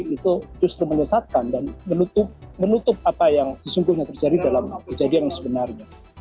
itu justru menyesatkan dan menutup apa yang sesungguhnya terjadi dalam kejadian yang sebenarnya